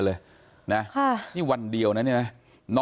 โอ้โหโอ้โหโอ้โห